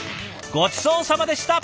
ごちそうさまでした！